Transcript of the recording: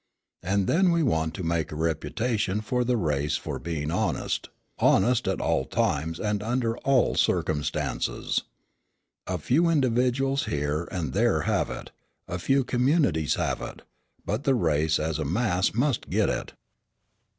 And then we want to make a reputation for the race for being honest, honest at all times and under all circumstances. A few individuals here and there have it, a few communities have it; but the race as a mass must get it.